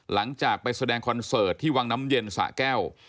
หลังจากไปแสดงคอนเสิร์ตที่วังน้ำเย็นสะแก้ว